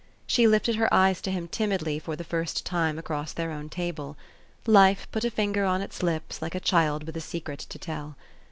She lifted her eyes to him timidly for the first time across their own table. Life put a finger on its lips like a child with a secret to tell.